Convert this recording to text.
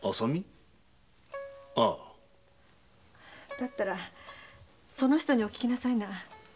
だったらその人にお聞きなさいな。